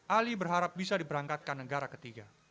ali berharap bisa diberangkatkan negara ketiga